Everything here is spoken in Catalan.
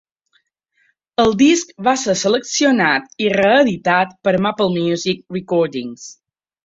El disc va ser seleccionat i reeditat per MapleMusic Recordings.